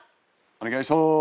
お願いします。